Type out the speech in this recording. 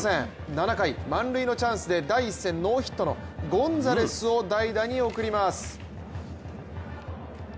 ７回、満塁のチャンスで第１戦ノーヒットのゴンザレスを代打に送ります。